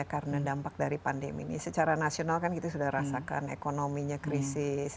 karena dampak dari pandemi ini secara nasional kan kita sudah rasakan ekonominya krisis